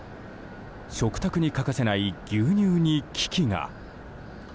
食卓に欠かせない牛乳に危機が。